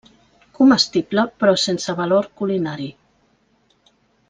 Comestible però sense valor culinari.